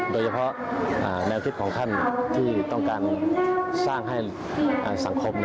โดยเฉพาะแนวคิดของท่านที่ต้องการสร้างให้สังคม